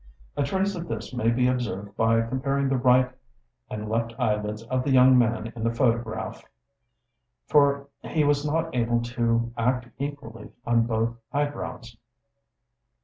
A trace of this may be observed by comparing the right and left eyelids of the young man in the photograph (fig. 2, Plate II.); for he was not able to act equally on both eyebrows.